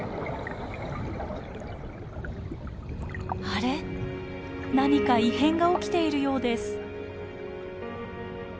あれっ何か異変が起きているようです。